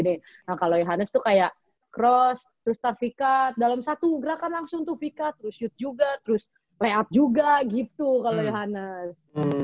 nah kalo yohannes tuh kayak cross terus start pick up dalam satu gerakan langsung tuh pick up terus shoot juga terus lay up juga gitu kalo yohannes